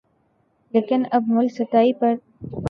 لیکن اب ملک سطحی پر جدیدترین اسلحہ تیار کررہے ہیں